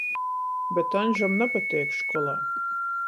Bet Aņžam napateik školā.